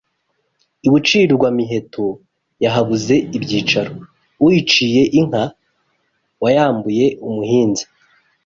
I Bucirwa-miheto yahabuze ibyicaro, Uyiciye inka wayambuye umuhinza